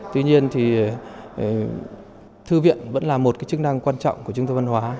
tuy nhiên thư viện vẫn là một chức năng quan trọng của chúng tôi văn hóa